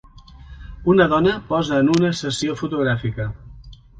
Una dona posa en una sessió fotogràfica.